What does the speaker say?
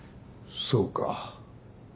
そうか。